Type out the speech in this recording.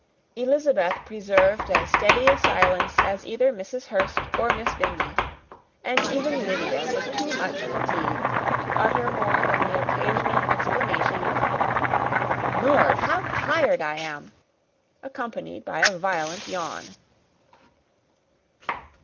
Elizabeth preserved as steady a silence as either Mrs. Hurst or Miss Bingley; and even Lydia was too much fatigued to utter more than the occasional exclamation of "Lord, how tired I am!" accompanied by a violent yawn.